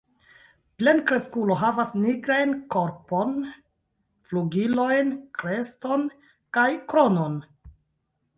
Plenkreskulo havas nigrajn korpon, flugilojn, kreston kaj kronon.